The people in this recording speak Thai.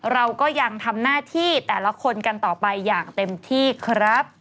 เราก็ยังทำหน้าที่แต่ละคนกันต่อไปอย่างเต็มที่ครับ